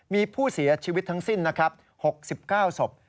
มีผู้เสียชีวิตทั้งสิ้น๖๙ศพ